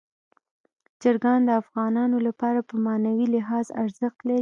چرګان د افغانانو لپاره په معنوي لحاظ ارزښت لري.